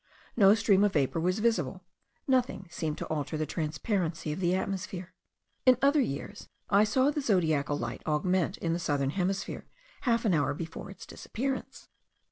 No stream of vapour was visible: nothing seemed to alter the transparency of the atmosphere. In other years I saw the zodiacal light augment in the southern hemisphere half an hour before its disappearance.